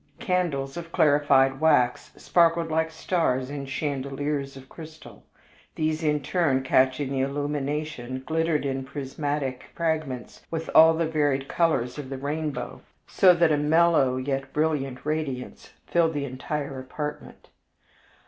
Candles of clarified wax sparkled like stars in chandeliers of crystal. These in turn, catching the illumination, glittered in prismatic fragments with all the varied colors of the rainbow, so that a mellow yet brilliant radiance filled the entire apartment.